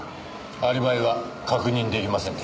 アリバイは確認出来ませんでした。